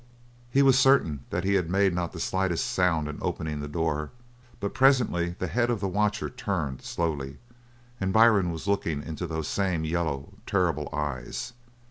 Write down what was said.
He was certain that he had made not the slightest sound in opening the door, but presently the head of the watcher turned slowly, and Byrne was looking into those same yellow, terrible eyes.